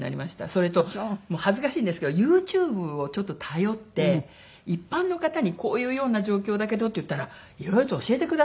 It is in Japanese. それと恥ずかしいんですけどＹｏｕＴｕｂｅをちょっと頼って一般の方に「こういうような状況だけど」って言ったらいろいろと教えてくださった。